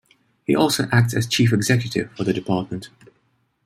He also acts as Chief Executive for the Department.